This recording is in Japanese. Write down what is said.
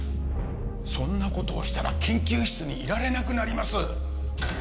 そんな事をしたら研究室にいられなくなります！